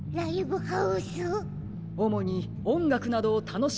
おもにおんがくなどをたのしむばしょです。